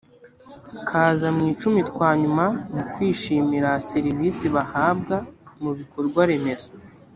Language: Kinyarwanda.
kaza mu icumi twa nyuma mu kwishimira serivisi bahabwa mu bikorwaremezo